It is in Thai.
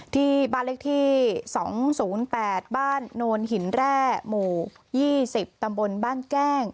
ที่บ้านเลขที่๒๐๘บ้านโนนหินแร่หมู่๒๐ตำบลบ้านแก้ง